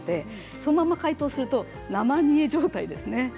そのまま解凍すると生煮え状態です。